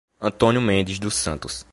Antônio Mendes dos Santos